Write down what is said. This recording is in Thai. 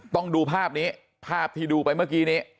ต้องดูภาพนี้ภาพที่ดูไปเมื่อกี้นี้